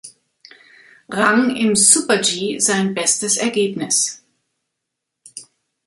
Rang im Super-G sein bestes Ergebnis.